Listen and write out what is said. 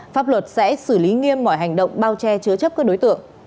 pháp luật sẽ xử lý nghiêm mọi hành động bao che chứa chấp các đối tượng